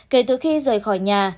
kể từ khi rời khỏi nhà